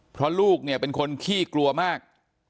เพราะลูกเป็นคนขี้กลัวมาก